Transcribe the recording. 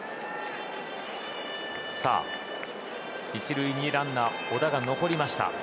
１塁にランナーの小田が残りました。